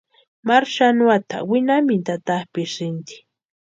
Maru xanuata winhamintu atapʼisïnti.